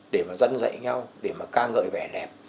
để mà dân dạy nhau để mà ca ngợi vẻ đẹp